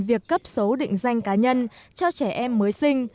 việc cấp số định danh cá nhân cho trẻ em mới sinh